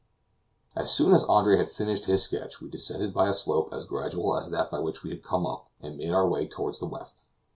As soon as Andre had finished his sketch we descended by a slope as gradual as that by which we had come up, and made our way toward the west.